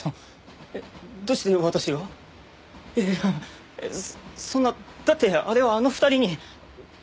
いやいやそんなだってあれはあの２人に。